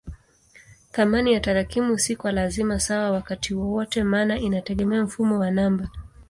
Thamani ya tarakimu si kwa lazima sawa wakati wowote maana inategemea mfumo wa namba.